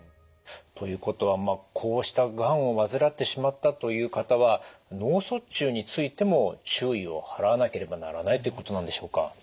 ということはこうしたがんを患ってしまったという方は脳卒中についても注意を払わなければならないということなんでしょうか？